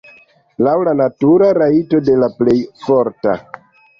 Laŭ la natura rajto de la plej forta.